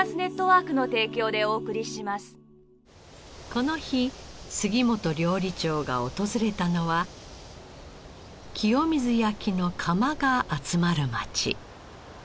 この日杉本料理長が訪れたのは清水焼の窯が集まる町。